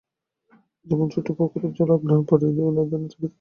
যেমন ছোটো পুকুরের জল আপনা পাড়ির বাঁধনেই টিঁকে থাকে।